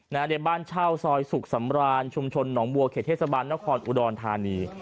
ในบ้านเช่าซอยสุขสำราญชุมชนหนองบัวเขตเทศบาลนครอุดรธานี